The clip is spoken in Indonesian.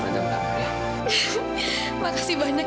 mau lotr sudah